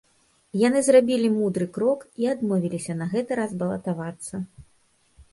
Яны зрабілі мудры крок і адмовіліся на гэты раз балатавацца.